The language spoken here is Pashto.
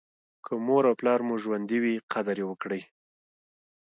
که مور او پلار مو ژوندي وي قدر یې وکړئ.